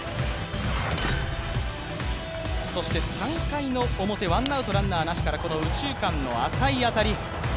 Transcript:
そして３回の表、ワンアウトランナーなしからこの右中間の浅い当たり。